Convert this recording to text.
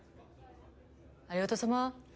ありがとさまぁ。